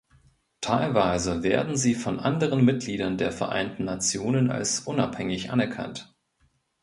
Teilweise werden sie von anderen Mitgliedern der Vereinten Nationen als unabhängig anerkannt.